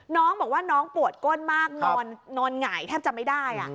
น้องบอกว่าน้องปวดก้นมากนอนหงายแทบจะไม่ได้